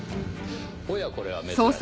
おやこれは珍しい。